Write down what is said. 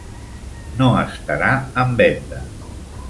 No estarà en venda.